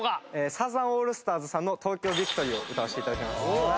サザンオールスターズさんの『東京ＶＩＣＴＯＲＹ』を歌わせて頂きます。